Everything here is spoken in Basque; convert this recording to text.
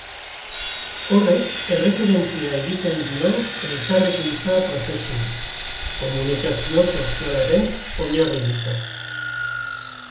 Horrek erreferentzia egiten dio elkarrekintza prozesuei, komunikazio sozialaren oinarri gisa.